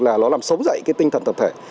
là nó làm sống dậy cái tinh thần tập thể